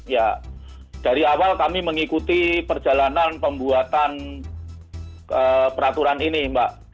ya dari awal kami mengikuti perjalanan pembuatan peraturan ini mbak